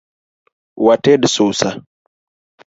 Wated susa